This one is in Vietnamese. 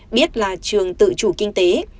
biết là trường tự chủ kinh tế